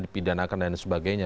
dipidanakan dan sebagainya